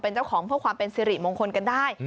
เป็นเจ้าของเพื่อความเป็นสิริมงคลกันได้